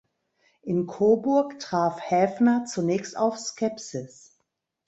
In Coburg traf Häfner zunächst auf Skepsis.